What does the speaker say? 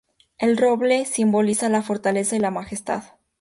El roble simboliza la fortaleza y la majestad.